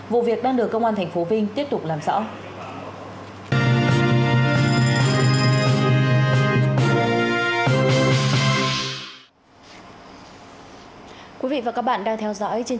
vụ việc đang được công an thành phố vinh tiếp tục làm rõ